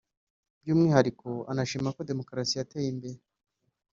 By’umwihariko anashima ko Demokarasi yateye imbere